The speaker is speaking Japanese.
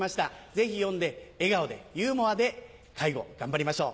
ぜひ読んで笑顔でユーモアで介護頑張りましょう。